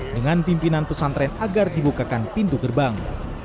dengan pimpinan pesantren agar dibukakan pintu gerbang